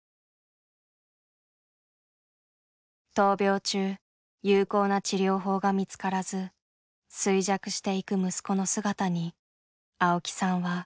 闘病中有効な治療法が見つからず衰弱していく息子の姿に青木さんは打ちひしがれていた。